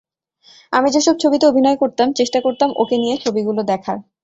আমি যেসব ছবিতে অভিনয় করতাম, চেষ্টা করতাম ওকে নিয়ে ছবিগুলো দেখার।